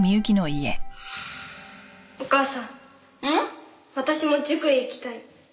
お母さん私も塾へ行きたい。